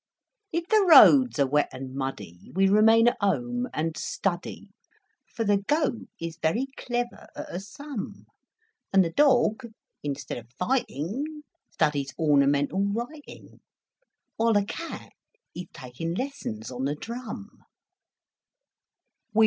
If the roads are wet and muddy We remain at home and study, â For the Goat is very clever at a sum, â And the Dog, instead of fighting Studies ornamental writing, While the Cat is taking lessons on the drum.